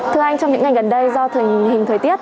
thưa anh trong những ngày gần đây do thời hình thời tiết